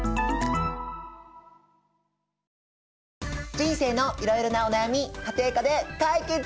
人生のいろいろなお悩み家庭科で解決しよう！